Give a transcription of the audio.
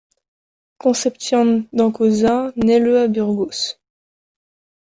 Concepción Dancausa nait le à Burgos.